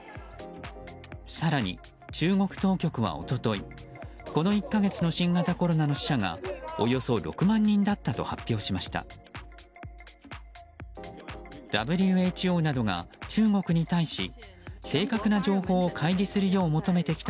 更に、中国当局は一昨日この１か月の新型コロナの死者がおよそ６万人だったと発表しました。